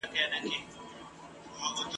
دلته کیسې د شاپېریو د بدریو کېدې ..